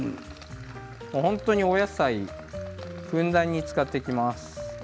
本当にお野菜ふんだんに使っていきます。